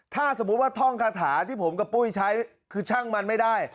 ถ้าสมมุติว่าท่องคาถาที่ผมกับปุ้ยใช้คือช่างมันไม่ได้